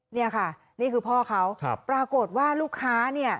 เนี่ยค่ะนี่คือพ่อเขาปรากฏว่าลูกค้าเนี่ย